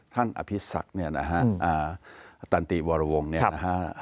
ท่านอภิษศักดิ์นี่นะครับตัณตีวรวงเนี่ยนะครับ